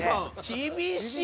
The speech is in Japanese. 厳しい。